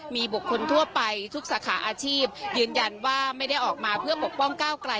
มีบุคคลทั่วไปทุกสาขาอาชีพยืนยันว่าไม่ได้ออกมาเพื่อปกป้องก้าวไกล